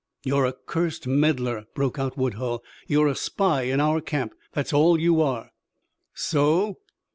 "You're a cursed meddler!" broke out Woodhull. "You're a spy in our camp, that's all you are!" "So!